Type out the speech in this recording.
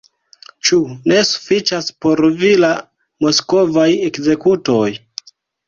Ĉu ne sufiĉas por vi la moskvaj ekzekutoj?